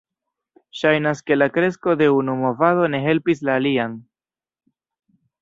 Ŝajnas ke la kresko de unu movado ne helpis la alian.